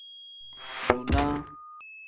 Dunaa.